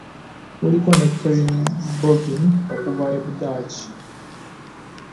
Kuliko ne Karin Boven okuva mu Budaaki